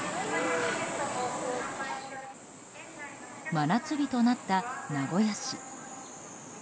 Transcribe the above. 真夏日となった名古屋市。